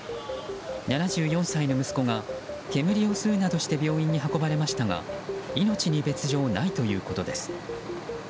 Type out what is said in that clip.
７４歳の息子が煙を吸うなどして病院に運ばれましたが命に別条はないということです。